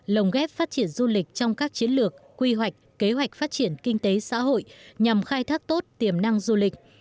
lồng ghép phát triển du lịch trong các chiến lược quy hoạch kế hoạch phát triển kinh tế xã hội nhằm khai thác tốt tiềm năng du lịch